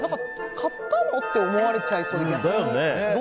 買ったの？って思われちゃいそう。